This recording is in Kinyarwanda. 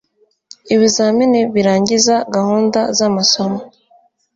ibizamini birangiza gahunda z amasomo